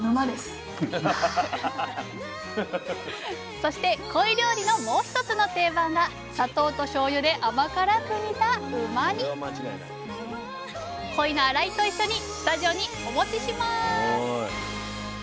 そしてコイ料理のもう一つの定番が砂糖としょうゆで甘辛く煮たうま煮コイの洗いと一緒にスタジオにお持ちします